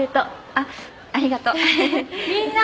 あっありがとう。みんな。